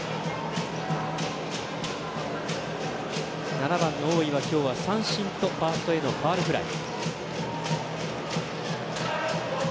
７番の大井は今日は三振とファーストへのファウルフライ。